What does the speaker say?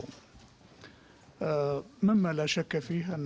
namun tidak ada pembahasan